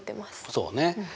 そうね。